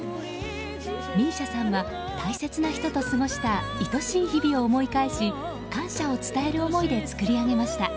ＭＩＳＩＡさんは大切な人と過ごしたいとしい日々を思い返し感謝を伝える思いで作り上げました。